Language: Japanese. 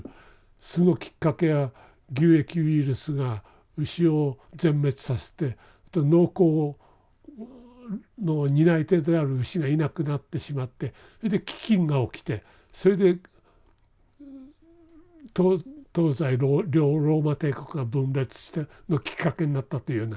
そのきっかけは牛疫ウイルスが牛を全滅さして農耕の担い手である牛がいなくなってしまってそれで飢きんが起きてそれで東西ローマ帝国が分裂したきっかけになったというふうな。